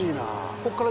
ここから。